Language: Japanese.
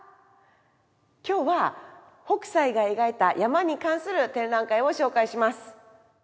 今日は北斎が描いた山に関する展覧会を紹介します。